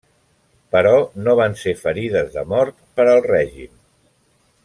Però no van ser ferides de mort per al Règim.